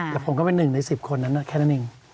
แต่ผมก็เป็นหนึ่งใน๑๐คนนั้นแค่นั้นเอง